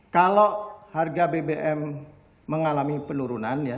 kalau harga bbm mengalami penurunan ya